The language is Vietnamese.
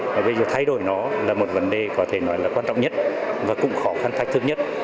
và bây giờ thay đổi nó là một vấn đề có thể nói là quan trọng nhất và cũng khó khăn thách thức nhất